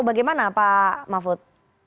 bagaimana pak mahfud